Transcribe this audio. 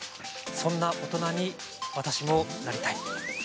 そんな大人に私もなりたい。